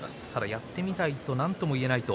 やってみないとなんとも言えないと。